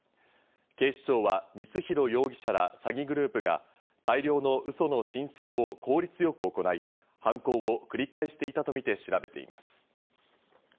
警視庁は光弘容疑者ら詐欺グループが大量のうその申請を効率よく行い、犯行を繰り返していたとみて調べています。